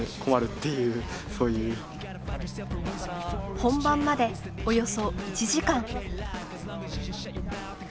本番までおよそ１時間。